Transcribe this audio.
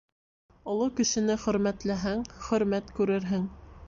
Оло кешене хөрмәтләһәң, хөрмәт күрерһең.